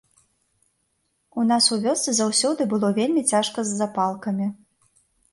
У нас у вёсцы заўсёды было вельмі цяжка з запалкамі.